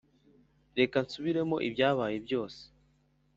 reka nsubiremo ibyabaye byose,